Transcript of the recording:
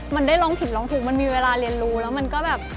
มันได้ร้องผิดร้องทุกข์มันมีเวลาเรียนรู้แล้วมันก็แบบ